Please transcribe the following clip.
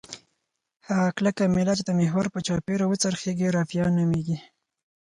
هغه کلکه میله چې د محور په چاپیره وڅرخیږي رافعه نومیږي.